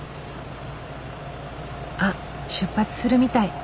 あっ出発するみたい。